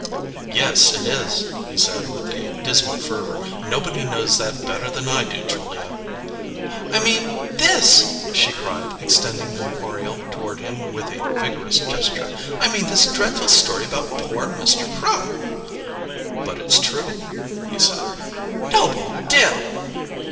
"Yes, it is," he said, with a dismal fervour. "Nobody knows that better than I do, Julia!" "I mean this!" she cried, extending the Oriole toward him with a vigorous gesture. "I mean this dreadful story about poor Mr. Crum!" "But it's true," he said. "Noble Dill!"